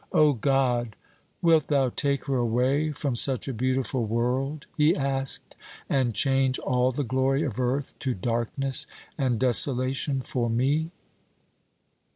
"O God, wilt thou take her away from such a beautiful world," he asked, "and change all the glory of earth to darkness and desolation for me?"